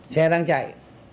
xe đang chạy